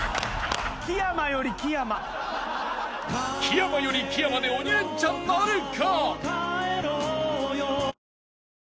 ［木山より木山で鬼レンチャンなるか！？］